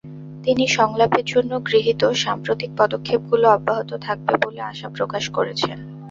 তিনি সংলাপের জন্য গৃহীত সাম্প্রতিক পদক্ষেপগুলো অব্যাহত থাকবে বলে আশা প্রকাশ করেছেন।